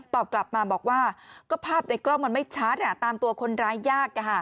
กลับมาบอกว่าก็ภาพในกล้องมันไม่ชัดตามตัวคนร้ายยาก